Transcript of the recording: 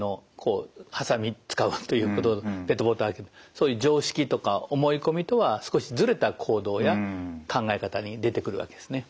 そういう常識とか思い込みとは少しズレた行動や考え方に出てくるわけですね。